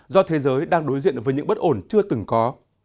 do thế giới đang đối diện với những bất ổn chưa từng có